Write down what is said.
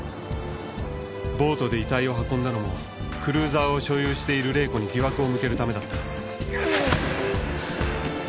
ボートで遺体を運んだのもクルーザーを所有している玲子に疑惑を向けるためだった。